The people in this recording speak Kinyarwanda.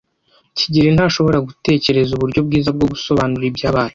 kigeli ntashobora gutekereza uburyo bwiza bwo gusobanura ibyabaye.